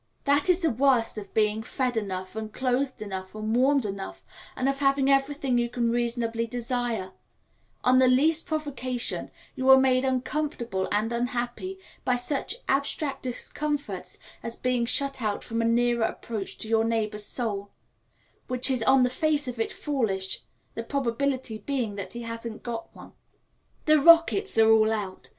That is the worst of being fed enough, and clothed enough, and warmed enough, and of having everything you can reasonably desire on the least provocation you are made uncomfortable and unhappy by such abstract discomforts as being shut out from a nearer approach to your neighbour's soul; which is on the face of it foolish, the probability being that he hasn't got one. The rockets are all out.